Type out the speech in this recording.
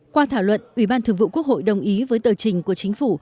qua thảo luận ủy ban thường vụ quốc hội đồng ý với tờ trình của chính phủ